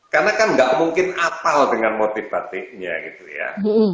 karena kan nggak mungkin atal dengan motif batiknya gitu ya